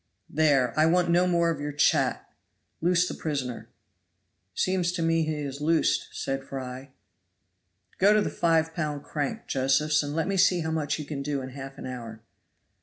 "There, I want no more of your chat. Loose the prisoner." "Seems to me he is loosed," said Fry. "Go to the 5 lb. crank, Josephs, and let me see how much you can do in half an hour."